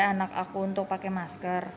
anak aku untuk pakai masker